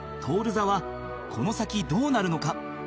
座はこの先どうなるのか？